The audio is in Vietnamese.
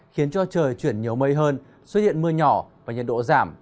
khiến cho trời chuyển nhiều mây hơn xuất hiện mưa nhỏ và nhiệt độ giảm